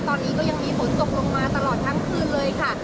ตอนนี้ก็ยังมีฝนตกลงมาตลอดทั้งคืนเลยค่ะ